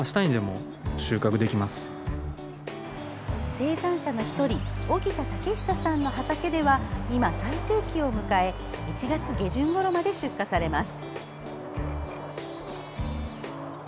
生産者の１人荻田武司さんの畑では今、最盛期を迎え１月下旬ごろまで出荷されます。